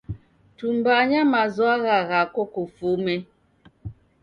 Tumbanya mazwagha ghako kufume.